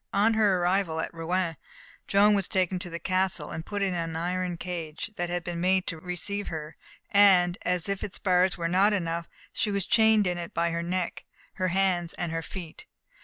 On her arrival at Rouen, Joan was taken to the castle, and put into an iron cage that had been made to receive her; and, as if its bars were not enough, she was chained in it by her neck, her hands and her feet.